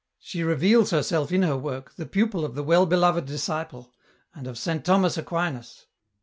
She reveals herself in her work the pupil of the well beloved disciple and of Saint Thomas Aquinas.